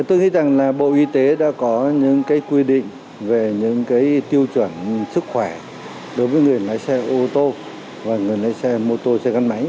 tôi nghĩ rằng là bộ y tế đã có những quy định về những tiêu chuẩn sức khỏe đối với người lái xe ô tô và người lái xe mô tô xe gắn máy